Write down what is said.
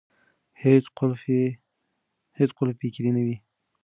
هیڅ قلف بې کیلي نه وي.